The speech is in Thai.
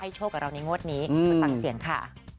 ให้โชคกับเราในงวดนี้เป็นศักดิ์เสียงค่ะ